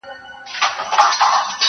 • کله کله به وو دومره قهرېدلی -